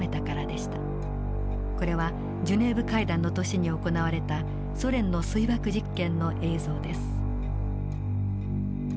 これはジュネーブ会談の年に行われたソ連の水爆実験の映像です。